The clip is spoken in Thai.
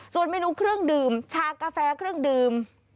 ส่วนเมนูเครื่องดื่มชากาแฟเครื่องดื่ม